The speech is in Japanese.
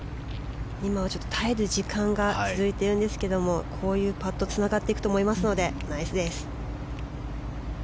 今は耐える時間が続いているんですけれどもこういうパットがつながっていくと思いますのでナイスです。